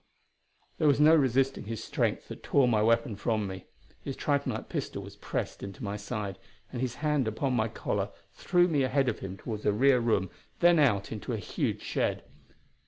There was no resisting his strength that tore my weapon from me. His tritonite pistol was pressed into my side, and his hand upon my collar threw me ahead of him toward a rear room, then out into a huge shed.